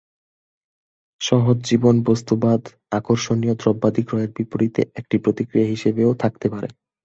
সহজ জীবন বস্তুবাদ, আকর্ষণীয় দ্রব্যাদি ক্রয়ের বিপরীতে একটি প্রতিক্রিয়া হিসেবেও থাকতে পারে।